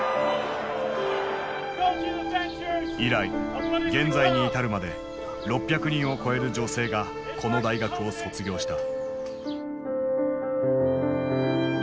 以来現在に至るまで６００人を超える女性がこの大学を卒業した。